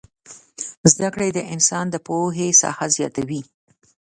زدکړې د انسان د پوهې ساحه زياتوي